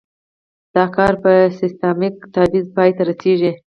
دا کار په سیستماتیک تبعیض پای ته رسیږي.